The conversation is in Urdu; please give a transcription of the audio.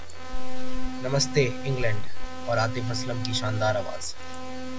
نمستے انگلینڈ اور عاطف اسلم کی شاندار اواز